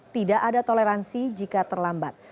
tidak ada toleransi jika terlambat